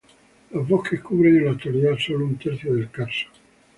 Los bosques cubren en la actualidad sólo un tercio del Carso.